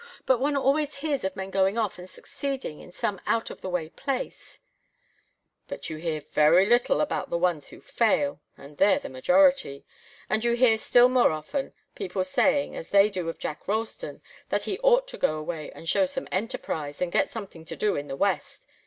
But one always hears of men going off and succeeding in some out of the way place " "But you hear very little about the ones who fail, and they're the majority. And you hear, still more often, people saying, as they do of Jack Ralston, that he ought to go away, and show some enterprise, and get something to do in the West.